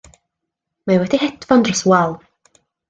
Mae wedi hedfan dros y wal.